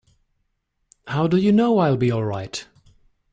How do you know I'll be all right?